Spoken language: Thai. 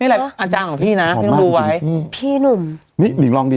นี่แหละอาจารย์ของพี่น่ะไม่ต้องดูไว้พี่หนุ่มนี่หลิงลองดิ